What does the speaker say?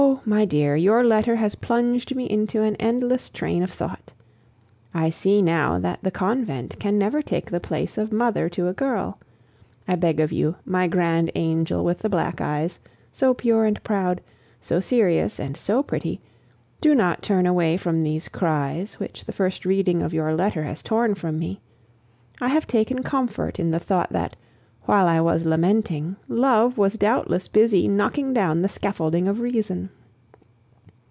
my dear, your letter has plunged me into an endless train of thought. I see now that the convent can never take the place of mother to a girl. I beg of you, my grand angel with the black eyes, so pure and proud, so serious and so pretty, do not turn away from these cries, which the first reading of your letter has torn from me! I have taken comfort in the thought that, while I was lamenting, love was doubtless busy knocking down the scaffolding of reason.